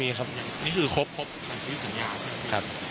นี่คือครบสัญญาครับ